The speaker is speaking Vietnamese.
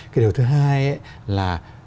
cái điều thứ hai là